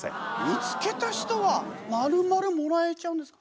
見つけた人はまるまるもらえちゃうんですか？